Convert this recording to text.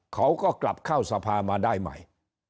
เขาก็กลับเข้าสภามาได้ใหม่